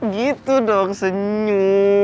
gitu dong senyum